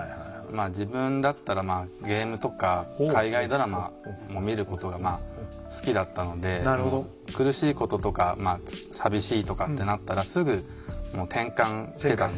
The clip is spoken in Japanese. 自分だったらまあゲームとか海外ドラマも見ることが好きだったので苦しいこととかまあ寂しいとかってなったらすぐもう転換してたんですよ。